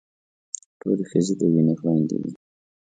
ټولې ښځې د وينې خويندې دي.